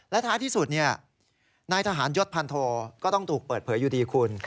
ท้ายที่สุดนายทหารยศพันโทก็ต้องถูกเปิดเผยอยู่ดีคุณ